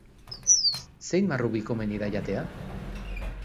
Zein marrubi komeni da jatea?